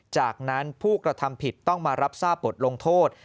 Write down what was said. จากนั้นผู้กระทำผิดต้องมารับทราบบทลงโทษ